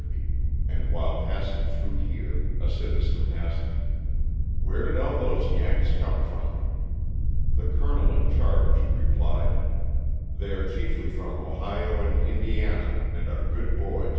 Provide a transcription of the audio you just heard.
and while passing through here a citizen asked, "Where did all those 'Yanks' come from?'' The colonel in charge replied, ''They are chiefly from Ohio and Indiana, and are good boys."